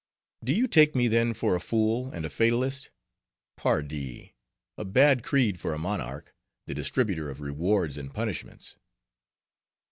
"Do you take me, then, for a fool, and a Fatalist? Pardie! a bad creed for a monarch, the distributor of rewards and punishments."